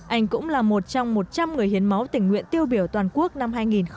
anh cũng là một trong một trăm linh người hiến máu tình nguyện tiêu biểu toàn quốc năm hai nghìn một mươi tám